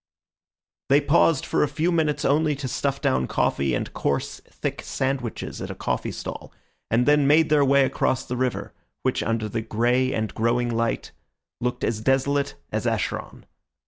They paused for a few minutes only to stuff down coffee and coarse thick sandwiches at a coffee stall, and then made their way across the river, which under the grey and growing light looked as desolate as Acheron.